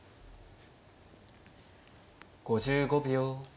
５５秒。